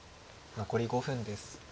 残り５分です。